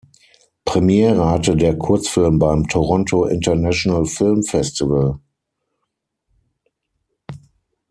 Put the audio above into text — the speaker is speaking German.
Premiere hatte der Kurzfilm beim Toronto International Film Festival.